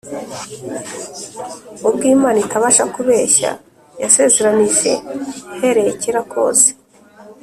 ubwo Imana itabasha kubeshya yasezeranije uhereye kera kose.